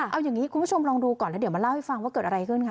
เอาอย่างนี้คุณผู้ชมลองดูก่อนแล้วเดี๋ยวมาเล่าให้ฟังว่าเกิดอะไรขึ้นคะ